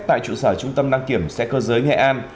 tại trụ sở trung tâm đăng kiểm xe cơ giới nghệ an